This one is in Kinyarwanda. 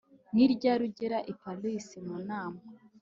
ni ryari ugera i paris mu nama